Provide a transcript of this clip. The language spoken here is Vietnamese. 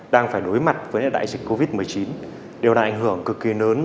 đối mặt với đại dịch covid một mươi chín đều đã ảnh hưởng cực kỳ lớn